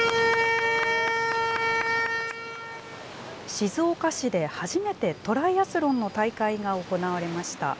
静岡市で初めてトライアスロンの大会が行われました。